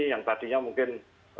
yang tadinya mungkin